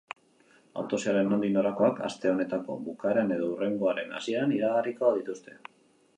Autopsiaren nondik norakoak aste honetako bukeran edo hurrengoaren hasieran iragarriko dituzte.